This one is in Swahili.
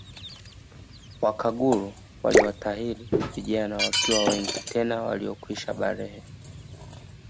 Wakaguru waliwatahiri vijana wakiwa wengi tena waliokwisha balehe